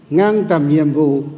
ngang tầm nhiệm vụ